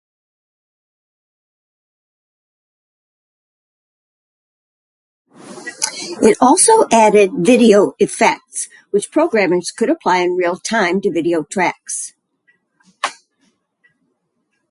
It also added video "effects" which programmers could apply in real-time to video tracks.